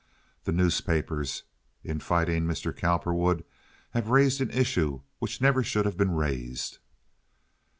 The newspapers in fighting Mr. Cowperwood have raised an issue which never should have been raised."